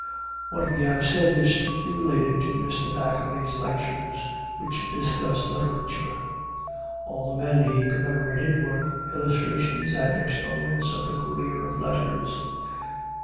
What we have said is strictly related to Mr. Thackeray's lectures, which discuss literature. All the men he commemorated were illustrations and exponents of the career of letters.